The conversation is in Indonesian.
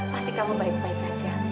pasti kamu baik baik aja